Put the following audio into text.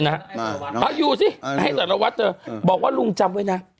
เอาอยู่สิไอซาลวัสบอกว่าลุงจำไว้นะ